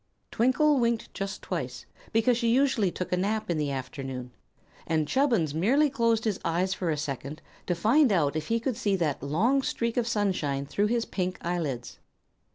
Twinkle winked just twice, because she usually took a nap in the afternoon, and Chubbins merely closed his eyes a second to find out if he could see that long streak of sunshine through his pink eyelids.